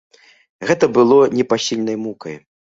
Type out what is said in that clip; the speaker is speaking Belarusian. Гэта было непасільнай мукай.